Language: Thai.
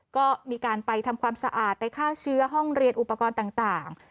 ก็มีการไปทำความสะอาดไปฆ่าเชื้อห้องเรียนอุปกรณ์ต่าง